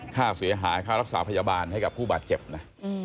ค่าเสียหายค่ารักษาพยาบาลให้กับผู้บาดเจ็บนะ